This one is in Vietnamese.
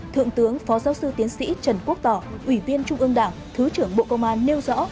thượng tướng phó giáo sư tiến sĩ trần quốc tỏ ủy viên trung ương đảng thứ trưởng bộ công an nêu rõ